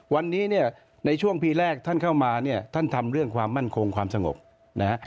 วันนี้เนี่ยในช่วงปีแรกท่านเข้ามาเนี่ยท่านทำเรื่องความมั่นคงความสงบนะฮะ